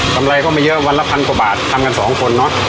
ไรก็ไม่เยอะวันละพันกว่าบาททำกันสองคนเนาะ